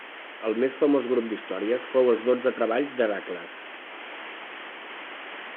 El més famós grup d'històries fou els dotze treballs d'Hèracles.